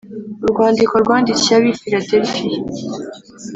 Urwandiko rwandikiwe ab’i Filadelifiya